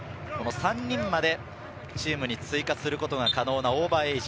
３人までチームに追加することが可能なオーバーエイジ。